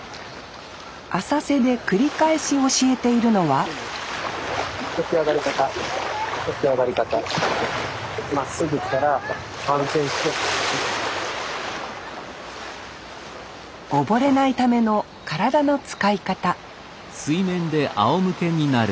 浅瀬で繰り返し教えているのは溺れないための体の使い方